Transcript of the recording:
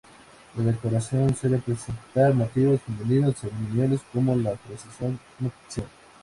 La decoración suele representar motivos femeninos ceremoniales como la procesión nupcial.